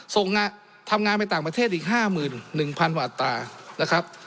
ทำงานไปต่างประเทศอีก๕๑๐๐๐กว่าอัตรานะครับ